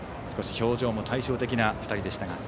少し表情も対照的な２人でした。